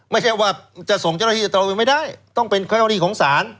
ไม่ใช่ว่าจะส่งเจ้าหน้าที่แต่เราไม่ได้ต้องเป็นความรีของสาร